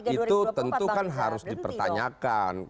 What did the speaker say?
itu tentu kan harus dipertanyakan